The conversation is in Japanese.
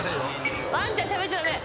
ワンちゃんしゃべっちゃ駄目。